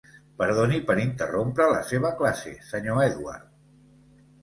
Perdoni per interrompre la seva classe, senyor Edward.